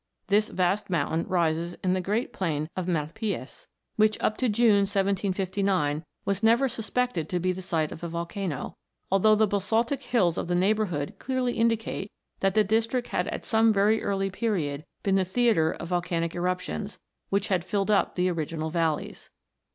This vast mountain rises in the great plain of Malpays, which up to June, 1759, was never suspected to be the site of a volcano, although the basaltic hills of the neighbourhood clearly in dicate that the district had at some very early period been the theatre of volcanic eruptions, which had filled up the original valleys.